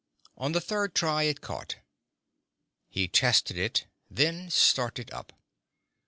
On the third try it caught. He tested it, then started up.